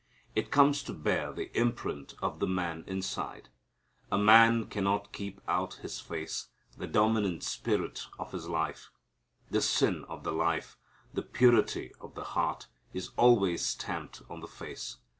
It comes to bear the imprint of the man inside. A man cannot keep out of his face the dominant spirit of his life. The sin of the life, the purity of the heart, is always stamped on the face.